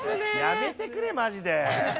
やめてくれマジで。